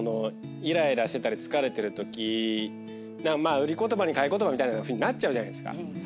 イライラしてたり疲れてるとき売り言葉に買い言葉みたいななっちゃうじゃないですか。